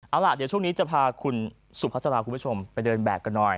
เอาล่ะเดี๋ยวช่วงนี้จะพาคุณสุภาษาลาคุณผู้ชมไปเดินแบบกันหน่อย